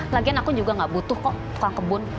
lagian aku juga gak butuh kok tukang kebun